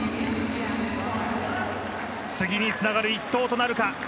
次につながる１投となるか。